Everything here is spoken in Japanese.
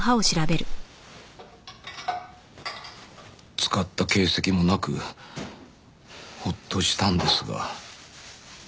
使った形跡もなくホッとしたんですが。